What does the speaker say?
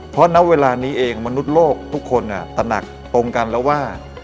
เพราะณเวลานี้เองมนุษย์โลกทุกคนตระหนักตรงกันแล้วว่า